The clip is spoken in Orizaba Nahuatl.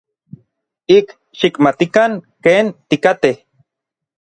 Ik xikmatikan ken tikatej.